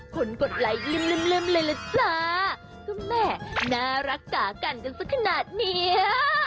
กดไลค์ลืมเลยล่ะจ้าก็แหม่น่ารักกากันกันสักขนาดเนี้ย